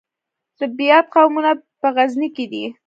د بیات قومونه په غزني کې دي